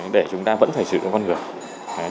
để chúng ta vẫn phải sử dụng con người